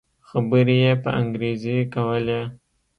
خبرې يې په انګريزي کولې.